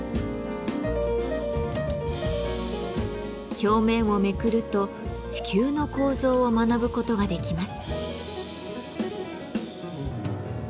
表面をめくると地球の構造を学ぶことができます。